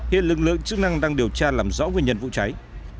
hiện lực lượng chức năng đang điều tra làm rõ nguyên nhân vụ cháy